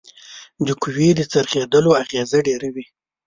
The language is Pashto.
د قوې د څرخیدلو اغیزه ډیره وي.